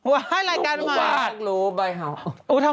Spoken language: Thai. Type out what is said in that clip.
ว้ายรายการมากลูบไบเฮาหนุ่มปูบาด